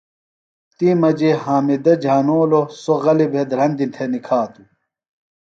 تی مجیۡ حامدہ جھانولوۡ سوۡ غلیۡ بھےۡ دھرندیۡ تھےۡ نِکھاتوۡ۔